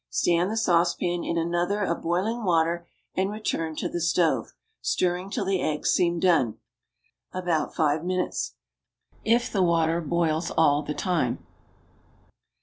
Stand the saucepan in another of boiling water and return to the stove, stirring till the eggs seem done about five minutes, if the water boils all the time.